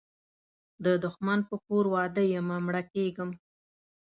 د دښمن په کور واده یمه مړه کیږم